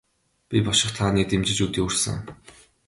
Би бошигт хааныг дэмжиж өдий хүрсэн.